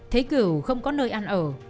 thấy cửu không có nơi ăn ở